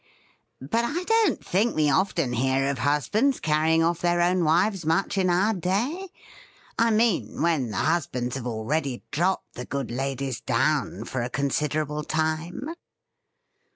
But I don't think we often hear of husbands cari ying off their own wives much in our day — ^3^ l^Hfi RIDDLE RING I mean, when the husbands have ah eady dropped the good ladies down for a considerable time.'